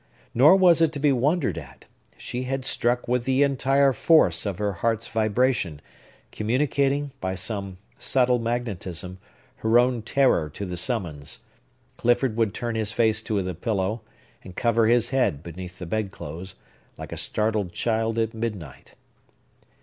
Nor was it to be wondered at. She had struck with the entire force of her heart's vibration, communicating, by some subtile magnetism, her own terror to the summons. Clifford would turn his face to the pillow, and cover his head beneath the bedclothes, like a startled child at midnight.